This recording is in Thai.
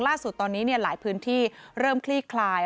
ล่าสุดตอนนี้หลายพื้นที่เริ่มคลี่คลาย